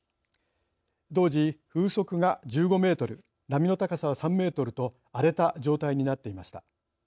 当時、風速が１５メートル波の高さは３メートルと荒れた状態になっていました。